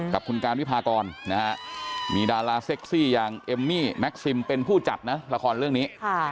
กับคุณการวิพากรนะฮะมีดาราเซ็กซี่อย่างเอมมี่แม็กซิมเป็นผู้จัดนะละครเรื่องนี้